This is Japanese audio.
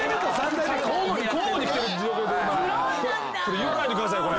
言わないでくださいよこれ。